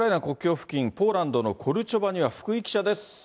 国境付近、ポーランドのコルチョバには福井記者です。